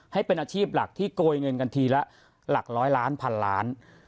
ให้เป็นอาชีพหลักที่โกยเงินกันทีละหลักร้อยล้านพันล้าน